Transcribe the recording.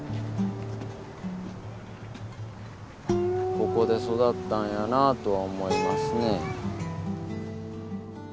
ここで育ったんやなとは思いますね。